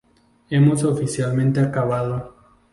Hemos oficialmente acabado.